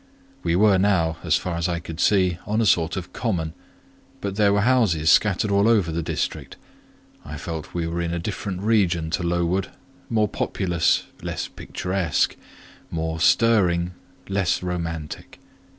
We were now, as far as I could see, on a sort of common; but there were houses scattered all over the district; I felt we were in a different region to Lowood, more populous, less picturesque; more stirring, less romantic.